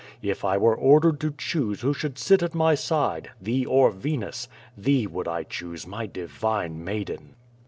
If I were ordered to choose who should sit at my side — ^thee or Venus — ^thee would I choose, my divine maiden."